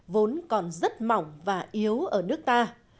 vốn còn rất mỏng và yếu ở nước ta